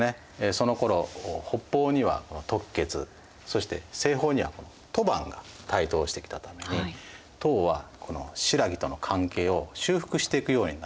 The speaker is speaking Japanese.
そのころ北方には突厥そして西方には吐蕃が台頭してきたために唐はこの新羅との関係を修復していくようになっていきます。